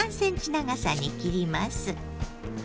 長さに切ります。